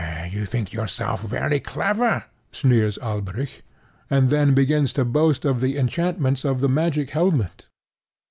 "You think yourself very clever," sneers Alberic, and then begins to boast of the enchantments of the magic helmet.